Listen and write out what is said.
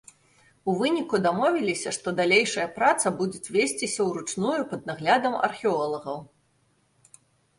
У выніку дамовіліся, што далейшая праца будуць весціся ўручную пад наглядам археолагаў.